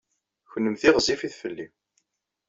Kennemti ɣezzifit fell-i.